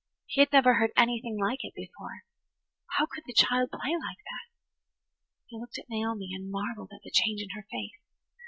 He had never heard anything like it before. How could the child play like that? He looked at Naomi and marvelled at the change in her face.